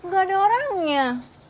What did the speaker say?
gak ada orangnya